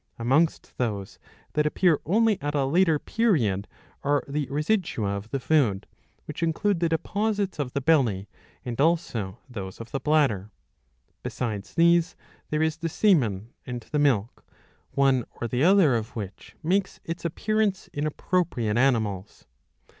Amongst those that appear only at a later period are the residua of the food, which include the deposits of the belly and also those of the bladder. Besides these there is the semen and the milk, one or the other of which makes its appearance in appropriate animals.